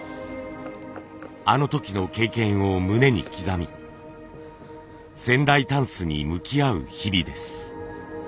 あの時の経験を胸に刻み仙台箪笥に向き合う日々です。